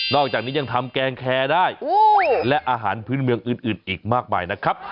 อกจากนี้ยังทำแกงแคร์ได้และอาหารพื้นเมืองอื่นอีกมากมายนะครับ